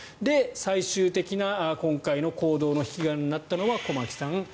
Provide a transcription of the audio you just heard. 最終的な今回の行動の引き金となったのは駒木さん